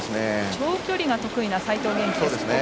長距離が得意な齋藤元希。